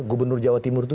gubernur jawa timur itu